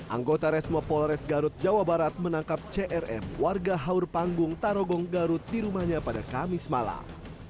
anggota resmo polres garut jawa barat menangkap crm warga haur panggung tarogong garut di rumahnya pada kamis malam